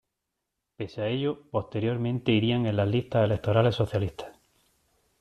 Pese a ello, posteriormente irían en listas electorales socialistas.